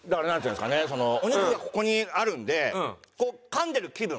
お肉がここにあるんでこう噛んでる気分？